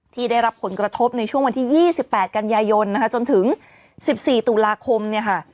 ที่ได้รับผลกระทบในช่วงวันที่๒๘กันยายนนะคะจนถึง๑๔ตุลาคมเนี่ยค่ะ